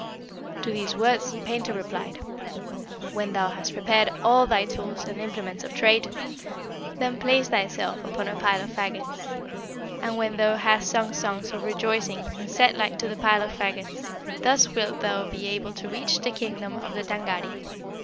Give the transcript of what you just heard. "To these words, the painter replied, 'When thou hast prepared all thy tools and implements of trade, then place thyself upon a pile of fagots, and when thou hast sung songs of rejoicing and set light to the pile of fagots, thus wilt thou be able to reach the kingdom of the Tângâri.'